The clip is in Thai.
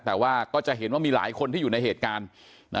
แต่ว่าก็จะเห็นว่ามีหลายคนที่อยู่ในเหตุการณ์